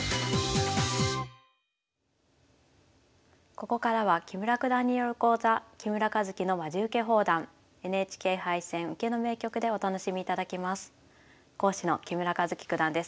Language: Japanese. ここからは木村九段による講座「木村一基のまじウケ放談ＮＨＫ杯戦・受けの名局」でお楽しみいただきます。